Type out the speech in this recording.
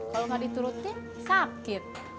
kalo gak diturutin sakit